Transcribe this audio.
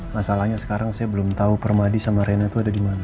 masalahnya sekarang saya belum tahu permadi sama rena itu ada di mana